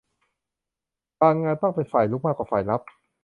บางงานต้องเป็นฝ่ายรุกมากกว่าฝ่ายรับ